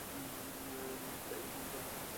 তাই এই দুই ধরনের অন্ধকার যুক্ত হয়েছিল।